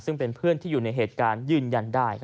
ซึ่งเป็นเพื่อนที่อยู่ในเหตุการณ์ยืนยันได้